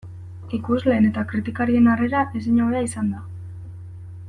Ikusleen eta kritikarien harrera ezin hobea izan da.